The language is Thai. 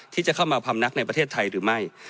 ที่จะเข้ามาพำนักในประเทศไทยหรือไม่